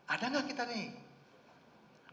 ada enggak kita nih